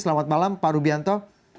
selamat malam pak rubianto